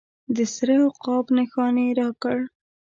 د سره عقاب نښان یې راکړ.